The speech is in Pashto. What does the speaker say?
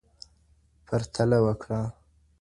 پرتله وکړه.